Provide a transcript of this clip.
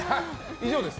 以上です。